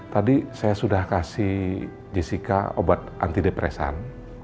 tadi saya sudah kasih jessica obat antidepresan